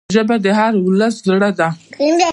ژبه د هر ولس زړه ده